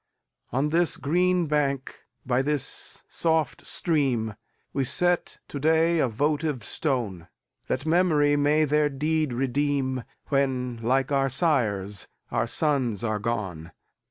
On this green bank, by this soft stream, We set to day a votive stone; That memory may their deed redeem, When, like our sires, our sons are gone.